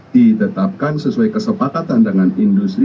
ditetapkan sesuai kesepakatan dengan industri